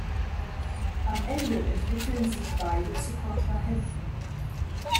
Am Ende entwickeln sich beide zu Kontrahenten.